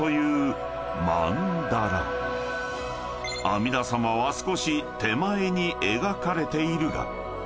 ［阿弥陀様は少し手前に描かれているが］